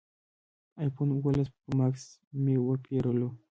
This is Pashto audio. ایفون اوولس پرو ماکس مې وپېرلو